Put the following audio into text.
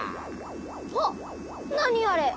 あっなにあれ！